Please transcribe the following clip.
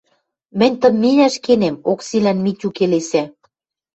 — Мӹнь тыменяш кенем, — Оксилӓн Митю келесӓ.